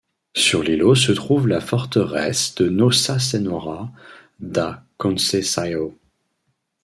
Sur l'îlot se trouve la forteresse de Nossa Senhora da Conceição.